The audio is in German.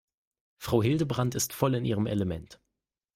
Frau Hildebrand ist voll in ihrem Element.